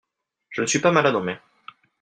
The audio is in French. je ne suis pas malade en mer.